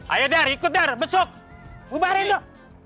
ayo dar ikut dar besok bubarin dong